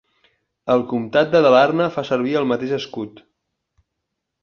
El comtat de Dalarna fa servir el mateix escut.